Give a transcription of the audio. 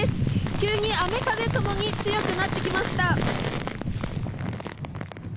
急に雨風ともに強くなってきました。